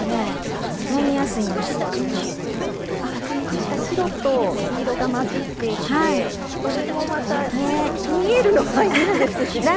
何か白と黄色が混じっていってこれもまた見えるのがいいですね。